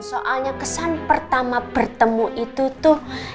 soalnya kesan pertama bertemu itu tuh